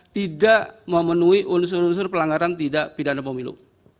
tidak memenuhi unsur unsur pelanggaran tidak pidana pemilu